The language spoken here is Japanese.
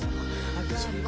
そっか。